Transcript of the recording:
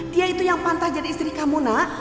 dia itu yang pantas jadi istri kamu nak